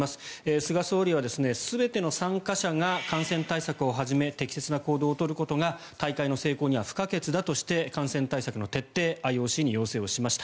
菅総理は全ての参加者が感染対策をはじめ適切な行動を取ることが大会の成功には不可欠だとして感染対策の徹底をＩＯＣに要請しました。